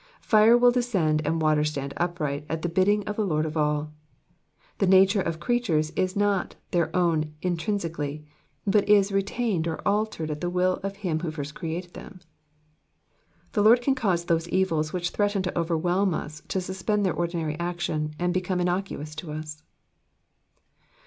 Fire will descend and water stand upright at the bidding of the Lord of all. The nature of creatures is not their own intrinsically, but is retained or altered at the will of him who first created them. The Lord can cause those evils which threaten to overwhelm us to suspend their ordinary action, and become innocuous to us.